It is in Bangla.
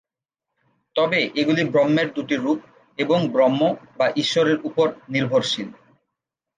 তবে এগুলি ব্রহ্মের দুটি রূপ এবং ব্রহ্ম বা ঈশ্বরের উপর নির্ভরশীল।